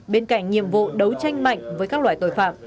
bên cạnh nhiệm vụ đấu tranh mạnh với các loại tội phạm